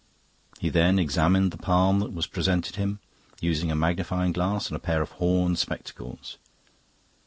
He then examined the palm that was presented him, using a magnifying glass and a pair of horn spectacles.